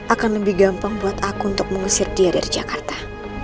akan lebih gampang buat aku untuk mengusir dia dari jakarta